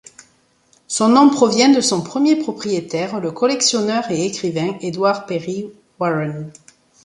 Son nom provient de son premier propriétaire, le collectionneur et écrivain Edward Perry Warren.